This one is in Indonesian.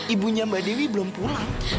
ibunya mbak dewi belum pulang